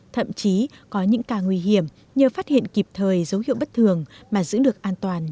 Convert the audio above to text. thậm chí có những ca nguy hiểm nhờ phát hiện kịp thời dấu hiệu bất thường mà giữ được an toàn